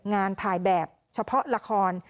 งานถ่ายแบบเฉพาะละคร